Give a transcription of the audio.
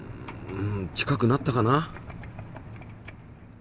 うん近くなったかな。